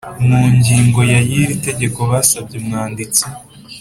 mu ngingo ya y iri tegeko basabye Umwanditsi